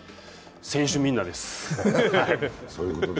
選手みんなです。